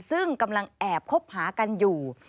ซึ่งกำลังแอบคบหากันอยู่